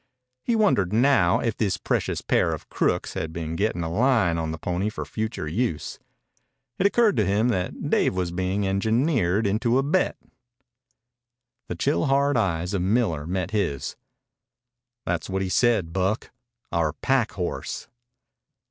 He wondered now if this precious pair of crooks had been getting a line on the pony for future use. It occurred to him that Dave was being engineered into a bet. The chill, hard eyes of Miller met his. "That's what he said, Buck our pack horse."